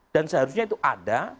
dan seharusnya itu ada